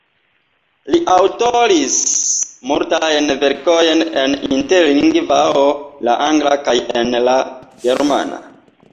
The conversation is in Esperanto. Li aŭtoris multajn verkojn en Interlingvao, la angla kaj en la germana.